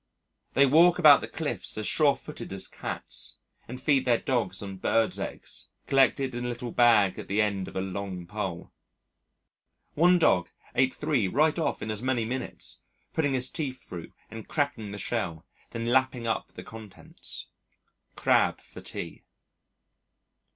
They walk about the cliffs as surefooted as cats, and feed their dogs on birds' eggs collected in a little bag at the end of a long pole. One dog ate three right off in as many minutes, putting his teeth through and cracking the shell, then lapping up the contents. Crab for tea.